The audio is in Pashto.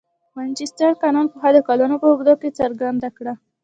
مانچستر قانون پخوا د کلونو په اوږدو کې څرګنده کړه.